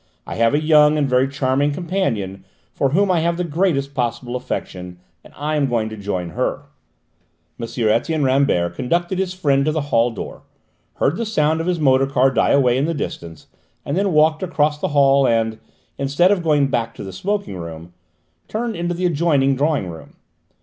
I have a young and very charming companion, for whom I have the greatest possible affection, and I am going to join her." M. Etienne Rambert conducted his friend to the hall door, heard the sound of his motor car die away in the distance, and then walked across the hall and, instead of going back to the smoking room, turned into the adjoining drawing room.